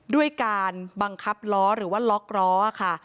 ด้วยการบังคับล้อหรือว่าล็อกล้อค่ะ